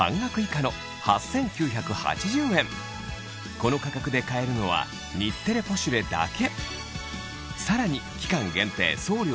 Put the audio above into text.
この価格で買えるのは『日テレポシュレ』だけ！